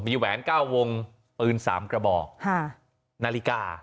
มีแหวน๙วงปืน๓กระบอกนาฬิกา